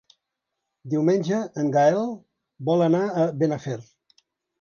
Diumenge en Gaël vol anar a Benafer.